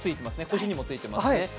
腰にもついてますね。